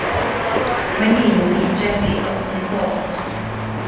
Mae'n un o faestrefi Ellesmere Port.